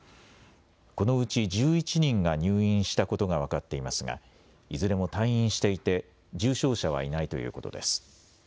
このうち１１人が入院したことが分かっていますがいずれも退院していて重症者はいないということです。